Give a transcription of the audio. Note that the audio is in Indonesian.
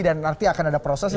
dan nanti akan ada prosesnya